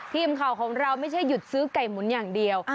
ทีมข่าวของเราไม่ใช่หยุดซื้อไก่หมุนอย่างเดียว